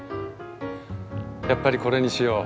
やっぱりこれにしよう。